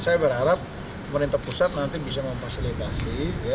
saya berharap pemerintah pusat nanti bisa memfasilitasi